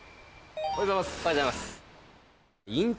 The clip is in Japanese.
おはようございます。